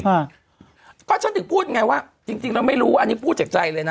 อ่าก็ฉันถึงพูดไงว่าจริงจริงแล้วไม่รู้อันนี้พูดจากใจเลยนะ